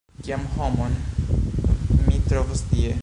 Kian homon mi trovos tie?